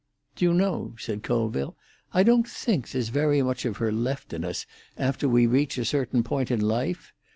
"Do you know," said Colville, "I don't think there's very much of her left in us after we reach a certain point in life?